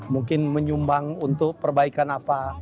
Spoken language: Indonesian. mungkin menyumbang untuk perbaikan apa